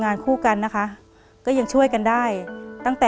เปลี่ยนเพลงเพลงเก่งของคุณและข้ามผิดได้๑คำ